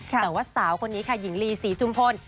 แต่ว่าสาวคนนี้ค่ะหญิงลีศรีจุมพล